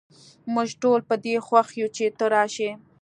موږ ټول په دي خوښ یو چې ته راشي